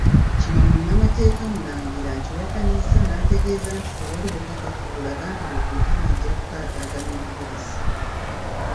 Kino Munnamateeka Mulangira akiwakanyizza n'ategeeza nti tewali bukakafu bulaga nti Rukutana ajja kutaataaganya obujjulizi.